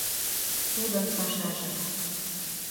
Тудын пашаже...